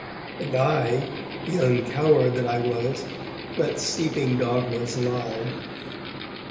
And I, young coward that I was, let sleeping dogmas lie.